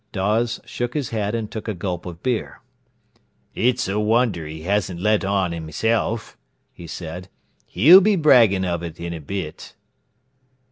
Dawes shook his head, and took a gulp of beer. "It's a wonder he hasn't let on himself," he said. "He'll be braggin' of it in a bit."